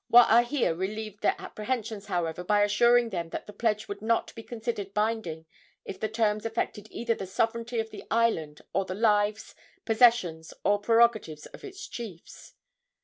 Waahia relieved their apprehensions, however, by assuring them that the pledge would not be considered binding if the terms affected either the sovereignty of the island or the lives, possessions or prerogatives of its chiefs.